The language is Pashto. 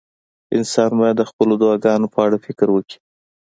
انسان باید د خپلو دعاګانو په اړه فکر وکړي.